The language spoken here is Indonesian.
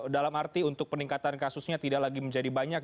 dalam arti untuk peningkatan kasusnya tidak lagi menjadi banyak